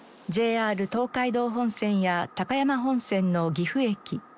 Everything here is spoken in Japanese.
ＪＲ東海道本線や高山本線の岐阜駅。